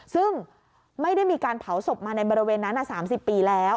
ซึ่งไม่ได้มีการเผาศพมาในบริเวณนั้น๓๐ปีแล้ว